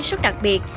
rất đặc biệt